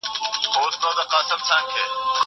زه مخکي درس لوستی و!!